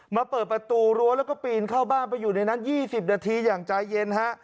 เปิดประตูรั้วแล้วก็ปีนเข้าบ้านไปอยู่ในนั้น๒๐นาทีอย่างใจเย็นฮะ